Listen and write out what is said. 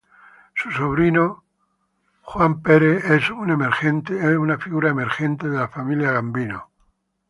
Su sobrino Frank Cali es una emergente figura de la familia Gambino.